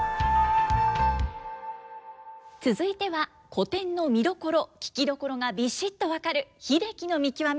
続いては古典の見どころ聴きどころがビシッと分かる「英樹の見きわめ」。